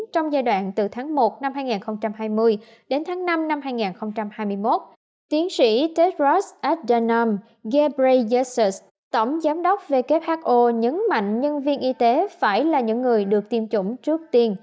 trong giai đoạn từ tháng một năm hai nghìn hai mươi đến tháng năm năm hai nghìn hai mươi một tiến sĩ techfrost azdanom ghebrayesus tổng giám đốc who nhấn mạnh nhân viên y tế phải là những người được tiêm chủng trước tiên